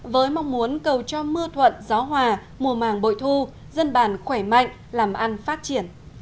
với mong muốn cầu cho mưa thuận gió hòa mùa màng bội thu dân bản khỏe mạnh làm ăn phát triển